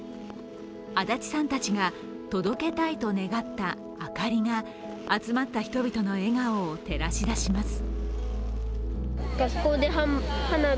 足立さんたちが届けたいと願ったあかりが集まった人々の笑顔を照らし出します。